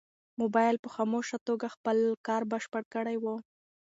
موبایل په خاموشه توګه خپل کار بشپړ کړی و.